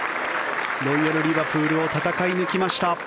ロイヤル・リバプールを戦い抜きました。